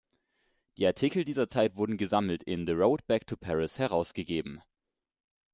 Die Artikel dieser Zeit wurden gesammelt in "The Road back to Paris" herausgegeben.